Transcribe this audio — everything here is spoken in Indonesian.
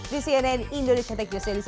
di cnn indonesia tech news